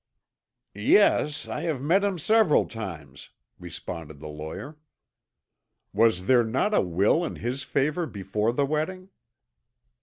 "Yes, I have met him several times," responded the lawyer. "Was there not a will in his favor before the wedding?"